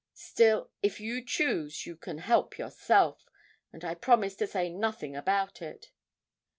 Still, if you choose, you can help yourself and I promise to say nothing about it.'